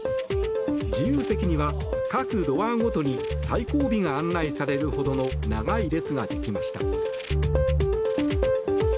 自由席には各ドアごとに最後尾が案内されるほどの長い列ができました。